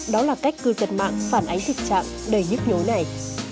đó là cách cư dân mạng phản ánh thực trạng đầy nhức nhối này